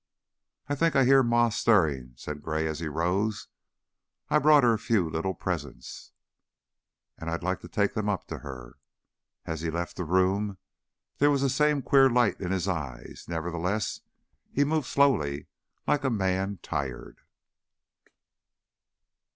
"I think I hear Ma stirring," said Gray, as he rose. "I brought her a few little presents, and I'd like to take them up to her." As he left the room there was the same queer light in his eyes; nevertheless, he moved slowly, like a man tired.